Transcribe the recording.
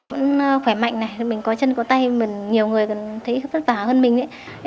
vẫn khỏe mạnh này mình có chân có tay nhiều người thấy vất vả hơn mình ấy